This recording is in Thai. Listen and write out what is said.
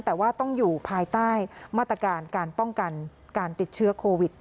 แต่ว่าต้องอยู่ภายใต้มาตรการการป้องกันการติดเชื้อโควิด